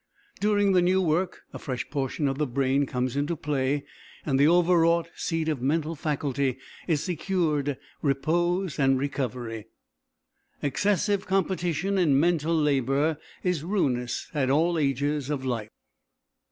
During the new work a fresh portion of the brain comes into play and the overwrought seat of mental faculty is secured repose and recovery. Excessive competition in mental labour is ruinous at all ages of life.